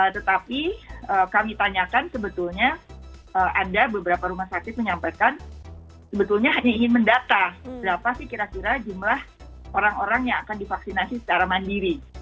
tetapi kami tanyakan sebetulnya ada beberapa rumah sakit menyampaikan sebetulnya hanya ingin mendata berapa sih kira kira jumlah orang orang yang akan divaksinasi secara mandiri